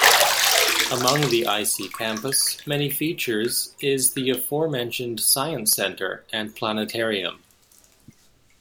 Among the iC campus' many features is the aforementioned Science Centre and Planetarium.